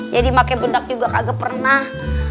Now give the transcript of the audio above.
jadi pakai bedak juga kagak pernah